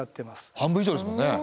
半分以上ですもんね。